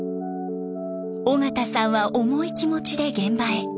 尾形さんは重い気持ちで現場へ。